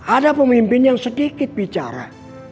ada pemimpin yang sedikit bicara